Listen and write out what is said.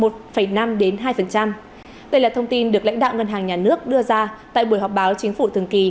đây là thông tin được lãnh đạo ngân hàng nhà nước đưa ra tại buổi họp báo chính phủ thường kỳ